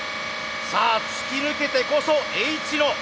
さあ突き抜けてこそＨ野。